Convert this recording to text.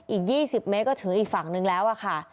อีก๒๐เมตรก็ถืออีกฝั่งนึงแล้วอะค่ะ